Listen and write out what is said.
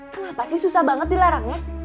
kenapa sih susah banget dilarangnya